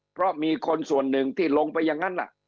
เพราะมีคนส่วนหนึ่งที่ลงไปอย่างนั้น